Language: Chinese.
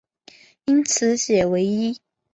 因此解唯一。